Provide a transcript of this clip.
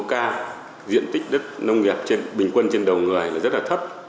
thứ hai là diện tích đất nông nghiệp bình quân trên đầu người rất là thấp